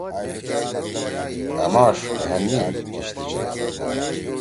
أ ماݜ دھأن می کِشتی چلادُو۔